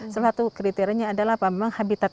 salah satu kriterianya adalah memang habitat